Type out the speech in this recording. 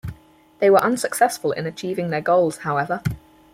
They were unsuccessful in achieving their goals, however.